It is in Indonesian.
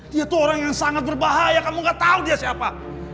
dia tuh orang yang sangat berbahaya kamu gak tahu dia siapa